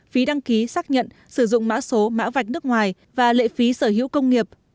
phí đăng ký xác nhận sử dụng mã số mã vạch nước ngoài và lệ phí sở hữu công nghiệp